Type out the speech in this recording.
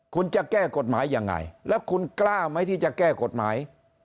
คุณจะแก้กฎหมายยังไงแล้วคุณกล้าไหมที่จะแก้กฎหมาย